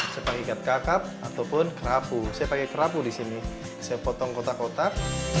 sepakat kakak ataupun kerapu saya pakai kerapu di sini saya potong kotak kotak